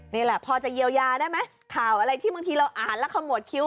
นี่แหละพอจะเยียวยาได้ไหมข่าวอะไรที่บางทีเราอ่านแล้วขมวดคิ้ว